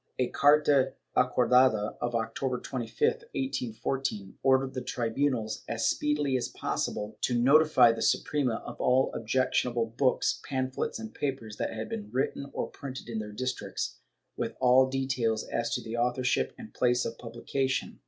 A carta acordada of October 25, 1814, ordered the tribvmals, as speedily as possible, to notify the Suprema of all objectionable books, pamphlets and papers that had been written or printed in their districts, with all details as to author ship and place of publication.